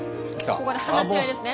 ここで話し合いですね。